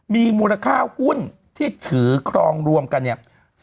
มีมูลค่าหุ้นที่ถือครองรวมกันเนี่ย